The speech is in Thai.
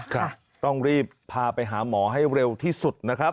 ครับต้องรีบพาไปหาหมอให้เร็วที่สุดนะครับ